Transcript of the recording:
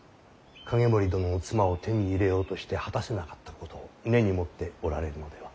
景盛殿の妻を手に入れようとして果たせなかったことを根に持っておられるのでは。